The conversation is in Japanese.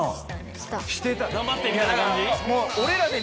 「頑張って」みたいな感じ？って